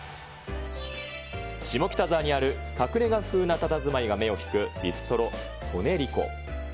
下北沢にある隠れが風なたたずまいが目を引くビストロ、トネリコ。